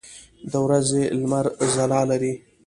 د ورځې لمر ځلا لري.